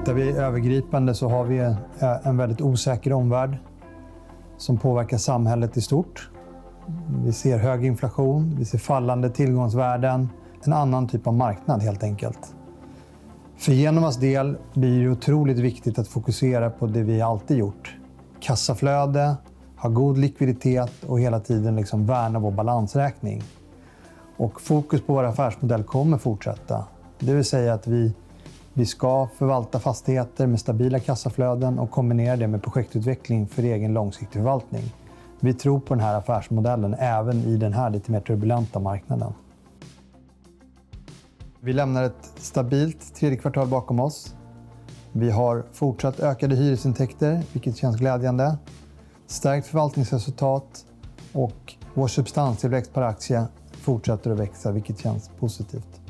Tittar vi övergripande så har vi en väldigt osäker omvärld som påverkar samhället i stort. Vi ser hög inflation, vi ser fallande tillgångsvärden, en annan typ av marknad helt enkelt. För Genovas del blir det otroligt viktigt att fokusera på det vi alltid gjort. Kassaflöde, ha god likviditet och hela tiden värna vår balansräkning. Fokus på vår affärsmodell kommer fortsätta. Det vill säga att vi ska förvalta fastigheter med stabila kassaflöden och kombinera det med projektutveckling för egen långsiktig förvaltning. Vi tror på den här affärsmodellen även i den här lite mer turbulenta marknaden. Vi lämnar ett stabilt tredje kvartal bakom oss. Vi har fortsatt ökade hyresintäkter, vilket känns glädjande, stärkt förvaltningsresultat och vår substansvärde per aktie fortsätter att växa, vilket känns positivt.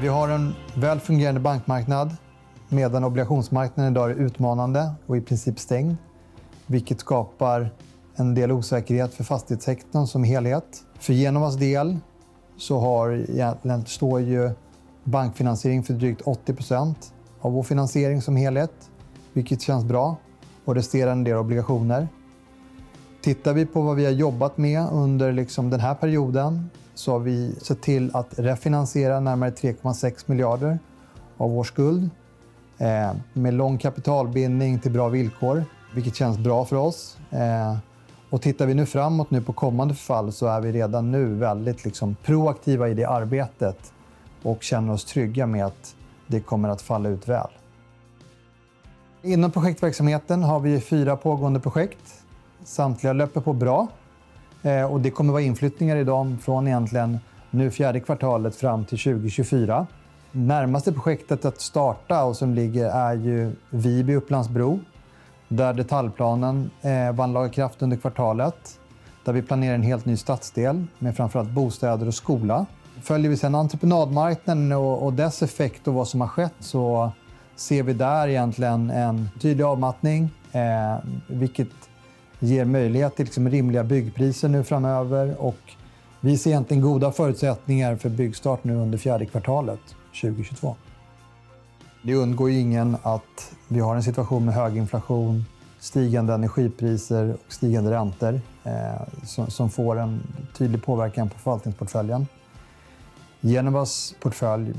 Vi har en väl fungerande bankmarknad medan obligationsmarknaden i dag är utmanande och i princip stängd, vilket skapar en del osäkerhet för fastighetssektorn som helhet. För Genovas del så egentligen står ju bankfinansiering för drygt 80% av vår finansiering som helhet, vilket känns bra och resterande en del obligationer. Tittar vi på vad vi har jobbat med under liksom den här perioden så har vi sett till att refinansiera närmare 3.6 miljarder av vår skuld med lång kapitalbindning till bra villkor, vilket känns bra för oss. Tittar vi nu framåt på kommande förfall så är vi redan väldigt liksom proaktiva i det arbetet och känner oss trygga med att det kommer att falla ut väl. Inom projektverksamheten har vi 4 pågående projekt. Samtliga löper på bra. Det kommer att vara inflyttningar i dem från egentligen nu fjärde kvartalet fram till 2024. Närmaste projektet att starta och som ligger är ju Viby Upplands Bro, där detaljplanen vann laga kraft under kvartalet, där vi planerar en helt ny stadsdel med framför allt bostäder och skola. Följer vi sedan entreprenadmarknaden och dess effekt och vad som har skett så ser vi där egentligen en tydlig avmattning, vilket ger möjlighet till rimliga byggpriser nu framöver. Vi ser egentligen goda förutsättningar för byggstart nu under fjärde kvartalet 2022. Det undgår ju ingen att vi har en situation med hög inflation, stigande energipriser och stigande räntor som får en tydlig påverkan på förvaltningsportföljen. Genovas portfölj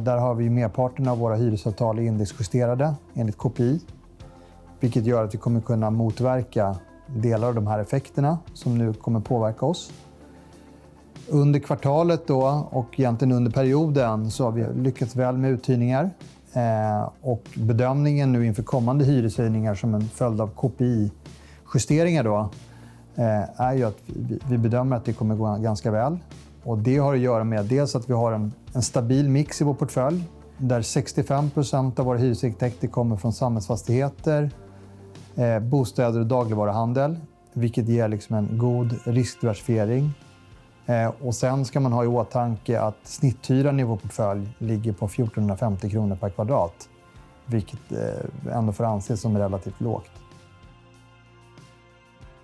där har vi merparten av våra hyresavtal är indexjusterade enligt KPI, vilket gör att vi kommer kunna motverka delar av de här effekterna som nu kommer påverka oss. Under kvartalet då och egentligen under perioden så har vi lyckats väl med uthyrningar. Bedömningen nu inför kommande hyreshöjningar som en följd av KPI-justeringar då är ju att vi bedömer att det kommer gå ganska väl. Det har att göra med dels att vi har en stabil mix i vår portfölj, där 65% av våra hyresintäkter kommer från samhällsfastigheter, bostäder och dagligvaruhandel, vilket ger liksom en god riskdiversifiering. Sen ska man ha i åtanke att snitthyran i vår portfölj ligger på 1,450 kronor per kvadrat, vilket ändå får anses som relativt lågt.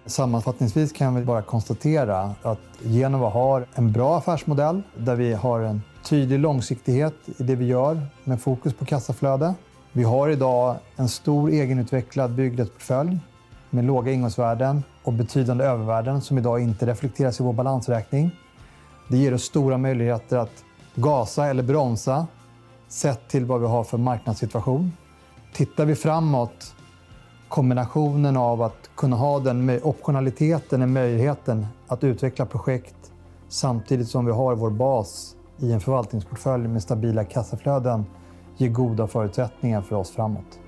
Sammanfattningsvis kan vi bara konstatera att Genova har en bra affärsmodell där vi har en tydlig långsiktighet i det vi gör med fokus på kassaflöde. Vi har i dag en stor egenutvecklad byggrättsportfölj med låga ingångsvärden och betydande övervärden som i dag inte reflekteras i vår balansräkning. Det ger oss stora möjligheter att gasa eller bromsa sett till vad vi har för marknadssituation. Tittar vi framåt, kombinationen av att kunna ha den optionaliteten med möjligheten att utveckla projekt samtidigt som vi har vår bas i en förvaltningsportfölj med stabila kassaflöden ger goda förutsättningar för oss framåt.